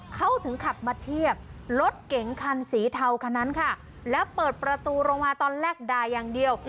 เขาถึงขับมาเทียบรถเก๋งคันสีเทาคันนั้นค่ะแล้วเปิดประตูลงมาตอนแรกด่าอย่างเดียว